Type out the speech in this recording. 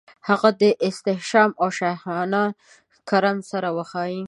هغه د احتشام او شاهانه کرم سره وښايي.